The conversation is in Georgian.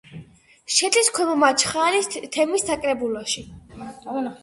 შედის ქვემო მაჩხაანის თემის საკრებულოში.